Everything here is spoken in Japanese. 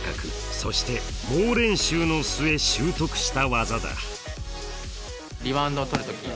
そして猛練習の末習得した技だ。